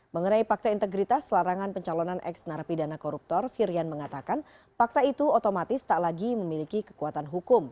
mengenai fakta integritas larangan pencalonan ex narapidana koruptor firian mengatakan fakta itu otomatis tak lagi memiliki kekuatan hukum